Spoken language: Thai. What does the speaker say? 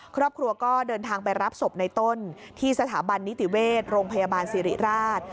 ครอบครัวก็เดินทางไปรับศพในต้นที่สถาบันนิติเวชโรงพยาบาลสิริราช